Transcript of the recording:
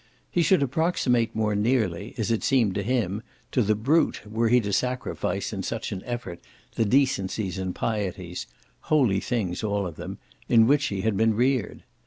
He should approximate more nearly, as it seemed to him, to the brute were he to sacrifice in such an effort the decencies and pieties holy things all of them in which he had been reared.